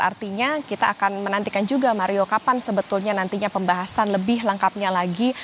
artinya kita akan menantikan juga mario kapan sebetulnya nantinya pembahasan lebih lengkapnya lagi